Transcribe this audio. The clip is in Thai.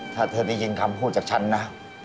ถ้าเธอได้ยินคำพูดจากฉันนะ